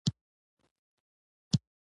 خبره که ښه وي، هر زخم دوا ده.